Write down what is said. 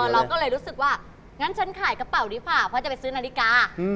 เราก็เลยรู้สึกว่างั้นฉันขายกระเป๋าดีกว่าเพราะจะไปซื้อนาฬิกา